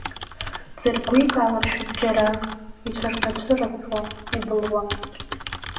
Ӡыркәик аларшәуп џьара, ицәырҟьа-цәырасуа, ибылуа.